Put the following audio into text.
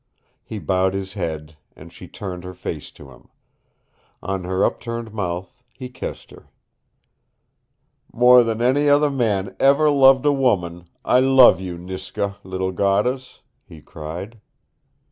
He bowed his head, and she turned her face to him. On her upturned mouth he kissed her. "More than any other man ever loved a woman I love you, Niska, little goddess," he cried.